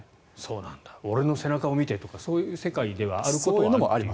俺の背中を見てとかそういう世界であることはある。